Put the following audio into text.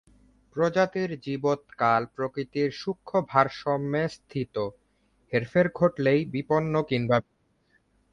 প্রজাতির জীবৎকাল প্রকৃতির সূক্ষ্ম ভারসাম্যে স্থিত, হেরফের ঘটলেই বিপন্নতা কিংবা বিনাশ।